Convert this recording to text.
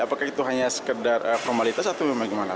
apakah itu hanya sekedar formalitas atau memang gimana